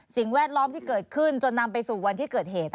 แวดล้อมที่เกิดขึ้นจนนำไปสู่วันที่เกิดเหตุ